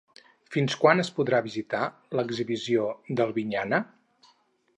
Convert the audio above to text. Fins quan es podrà visitar l'exhibició d'Albinyana?